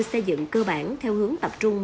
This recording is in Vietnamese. xây dựng cơ bản theo hướng tập trung